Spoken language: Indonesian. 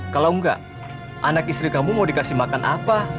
kalau enggak anak istri kamu mau dikasih makan apa